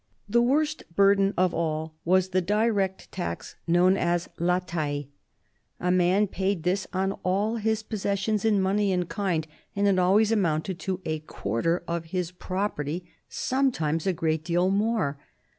The worst burden of all was the direct tax known as la faille. A man paid this on all his possessions in money and kind, and it always amounted to a quarter of his property, some times to a great deal more.